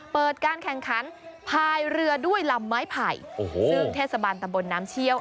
เปิดการแข่งขันพายเรือด้วยลำไม้ไผ่โอ้โหซึ่งเทศบาลตำบลน้ำเชี่ยว